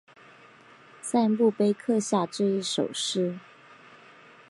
在墓碑刻下这一首诗